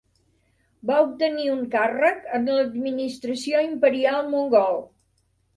Va obtenir un càrrec en l'Administració imperial mongol.